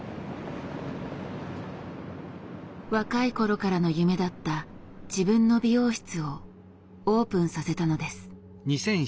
若い頃からの夢だった自分の美容室をオープンさせたのです。